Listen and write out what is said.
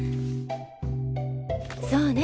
そうね。